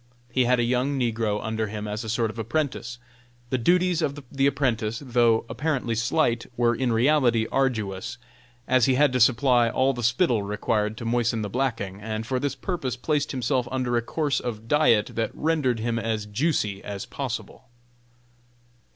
He had a young negro under him as a sort of an apprentice. The duties of the apprentice, though apparently slight, were in reality arduous, as he had to supply all the spittle required to moisten the blacking; and for this purpose placed himself under a course of diet that rendered him as juicy as possible.